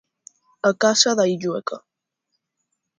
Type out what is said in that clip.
A casa da Illueca.